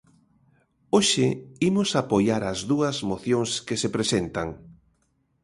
Hoxe imos apoiar as dúas mocións que se presentan.